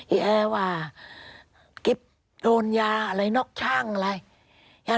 ไอ้แอว่าโดนยาอะไรนอกช่างอะไร